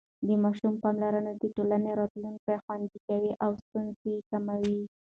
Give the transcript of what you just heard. د ماشوم پاملرنه د ټولنې راتلونکی خوندي کوي او ستونزې کموي.